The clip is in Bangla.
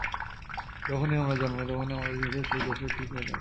যখনি আমরা জন্মাই তখনি আমাদের যথার্থ দোসর ঠিক হয়ে থাকে।